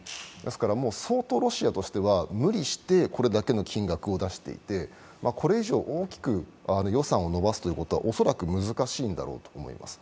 ですから、相当ロシアとしては無理してこれだけの金額を出していてこれ以上大きく予算を伸ばすのは恐らく難しいんだろうと思います。